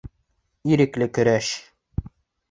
Ирекле көрәш